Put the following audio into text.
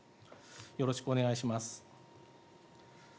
よろしくお願いします。